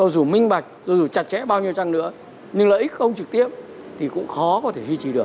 dù minh bạch dù chặt chẽ bao nhiêu trăng nữa nhưng lợi ích không trực tiếp thì cũng khó có thể duy trì được